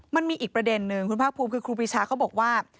มันมีอีกประเด็นนึงคุณภาคภูมิคือครูปีชาเขาบอกว่า